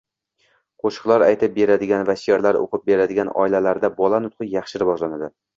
qo‘shiqlar aytib beradigan va sheʼrlar o‘qib beradigan oilalarda bola nutqi yaxshi rivojlanadi.